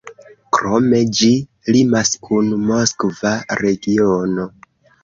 Krome, ĝi limas kun Moskva regiono.